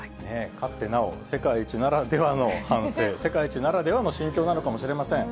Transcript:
勝ってなお、世界一ならではの反省、世界一ならではの心境なのかもしれません。